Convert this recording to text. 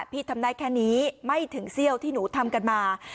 พี่ทำได้แค่นี้ไม่ถึงเซี่ยวที่หนูทำกันมา